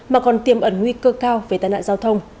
mà còn tiêm ẩn nguy cơ cao về tai nạn giao thông